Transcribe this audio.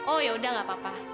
oh yaudah gak apa apa